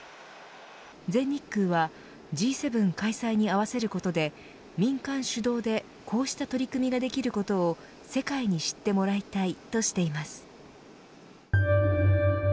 全日空はＧ７開催に合わせることで民間主導でこうした取り組みができることを世界に知ってもらいたいとしています。